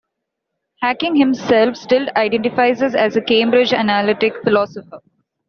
Hacking himself still identifies as a Cambridge analytic philosopher.